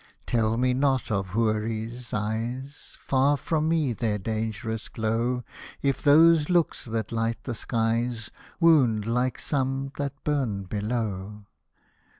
Tell me not of Houris' eyes ;— Far from me their dangerous glow, If those looks that light the skies Wound like some that burn below.